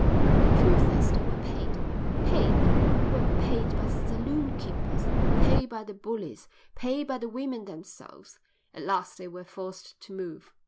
The truth is, they were paid. Paid. They were paid by the saloon keepers, paid by the bullies, paid by the women themselves. At last they were forced to move."